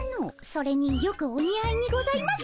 それによくお似合いにございます。